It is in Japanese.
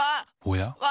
おや？